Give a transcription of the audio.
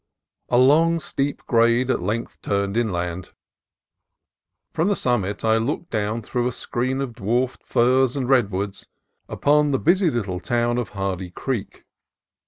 A long steep grade at length turned inland. From the summit I looked down through a screen of dwarfed firs and redwoods upon the busy little town of Hardy Creek.